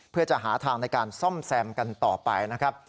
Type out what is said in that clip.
เพื่อจะหาทางในการซ่อมแซมกันต่อไปนะครับ